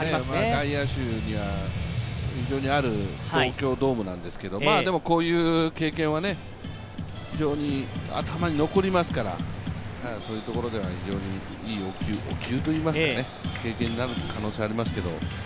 外野手には非常にある東京ドームなんですけどもこういう経験はね、非常に頭に残りますから、そういうところではいいおきゅうといいいますか経験になると思いますけど。